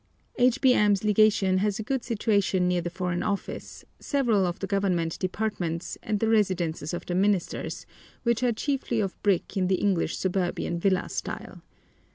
H.B.M.'s Legation has a good situation near the Foreign Office, several of the Government departments, and the residences of the ministers, which are chiefly of brick in the English suburban villa style.